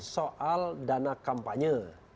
soal dana kampanye